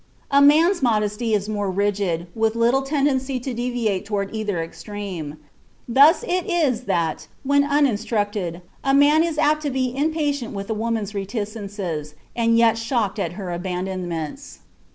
A man's modesty is more rigid, with little tendency to deviate toward either extreme. Thus it is, that, when uninstructed, a man is apt to be impatient with a woman's reticences, and yet shocked at her abandonments.